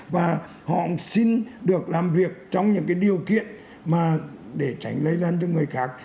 và họ xin được làm việc trong những điều kiện mà để tránh lây lan cho người khác